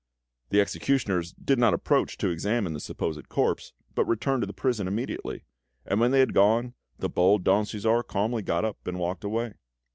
The executioners did not approach to examine the supposed corpse, but returned to the prison immediately; and when they had gone, the bold Don Cæsar calmly got up and walked away!